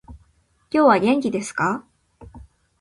今日は元気ですか？